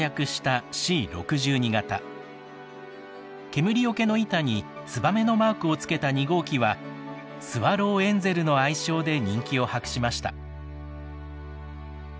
煙よけの板につばめのマークを付けた２号機はスワローエンゼルの愛称で人気を博しました。